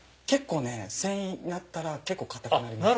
繊維になったら結構硬くなります。